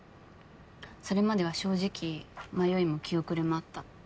それまでは正直迷いも気後れもあった。